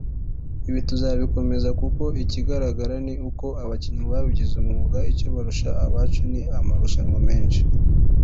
ibi tuzabikomeza kuko ikigaragara ni uko abakinnyi babigize umwuga icyo barusha abacu ni amarushanwa menshi